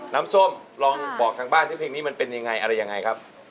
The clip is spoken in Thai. น้ำส้มลองบอกทางบ้านที่เพลงนี้มันเป็นยังไงอะไรยังไงครับ